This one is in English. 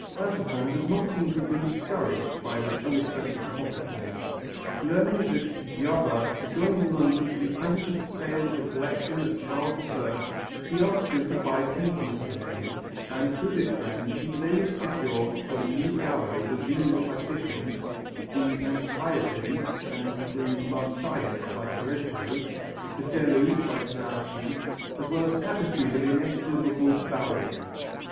Mazarin does not seem to have been discouraged by this unexpected contretemps. Learning that Jabach was going to London to be present at the sale of the collection of Charles I, he asked him to buy paintings for him, and through this friend was able to secure for a new gallery the Venus by Titian, the Antiope and the Marsyas by Correggio, the Deluge by Carracci, as well as tapestries of inestimable value.